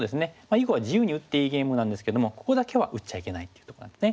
囲碁は自由に打っていいゲームなんですけどもここだけは打っちゃいけないっていうとこなんですね。